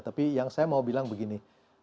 tapi yang saya mau bilang begini